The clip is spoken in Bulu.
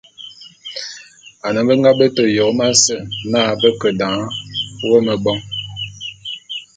Ane be nga bete Yom ase na be ke dan wô mebôn.